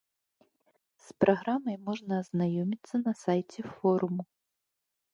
З праграмай можна азнаёміцца на сайце форуму.